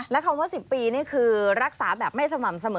และคำว่า๑๐ปีนี่คือรักษาแบบไม่สม่ำเสมอ